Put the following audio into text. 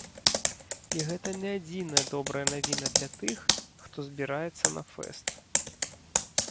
І гэта не адзіная добрая навіна для тых, хто збіраецца на фэст!